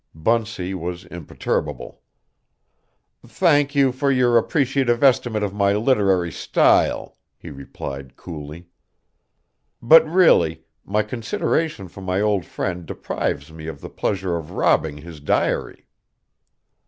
Bunsey was imperturbable. "Thank you for your appreciative estimate of my literary style," he replied coolly; "but really, my consideration for my old friend deprives me of the pleasure of robbing his diary."